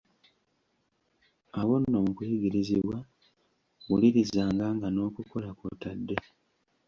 Awo nno mu kuyigirizibwa wulirizanga nga n'okukola kw'otadde.